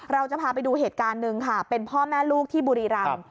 เราจะพาไปดูเหตุการณ์หนึ่งค่ะเป็นพ่อแม่ลูกที่บุรีรำ